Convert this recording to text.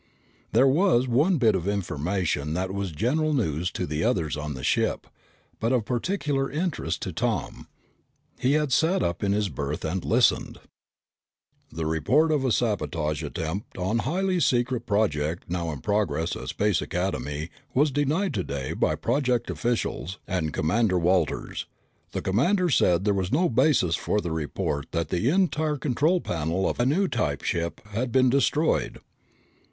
There was one bit of information that was general news to the others on the ship, but of particular interest to Tom. He had sat up in his berth and listened. "... The report of a sabotage attempt on a highly secret project now in progress at Space Academy was denied today by project officials and Commander Walters. The commander said there was no basis for the report that the entire control panel of a new type ship had been destroyed."